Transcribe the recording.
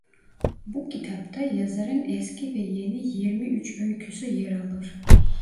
Bu kitapta yazarın eski ve yeni yirmi üç öyküsü yer alır.